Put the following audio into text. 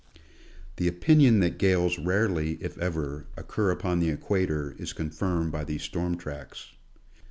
The opinion that gales rarely, if ever, occur upon the equator is confirmed by these storm tracks.